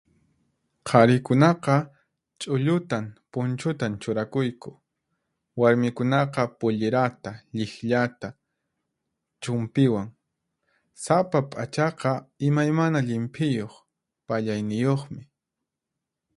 Qharikunaqa ch'ullutan, punchutan churakuyku. Warmikunaqa pullirata, lliqllata, chunpiwan. Sapa p'achaqa imaymana llimphiyuq, pallayniyuqmi.